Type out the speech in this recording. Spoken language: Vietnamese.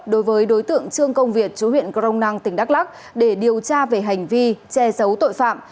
đối với đối tượng trương công việt chủ huyện crong năng tỉnh đắk lắc để điều tra về hành vi che giấu tội phạm